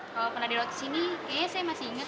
kalau pernah di roti sini kayaknya saya masih ingat